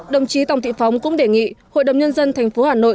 đồng chí tòng thị phóng cũng đề nghị hội đồng nhân dân tp hà nội